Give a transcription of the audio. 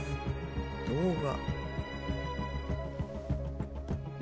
動画。